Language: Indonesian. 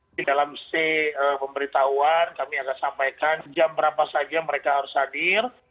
di dalam c pemberitahuan kami akan sampaikan jam berapa saja mereka harus hadir